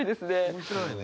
面白いね。